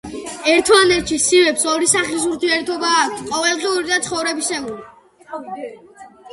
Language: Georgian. ერთმანეთში სიმებს ორი სახის ურთიერთობა აქვთ: ყოველდღიური და ცხოვრებისეული.